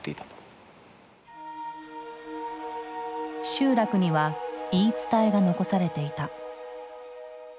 集落には言い伝えが残されていた。